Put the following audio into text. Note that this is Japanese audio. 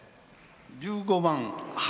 １５番「橋」。